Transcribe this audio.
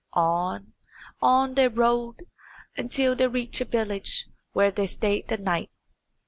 On, on they rode, until they reached a village where they stayed the night.